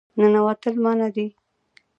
ننوتل منع دي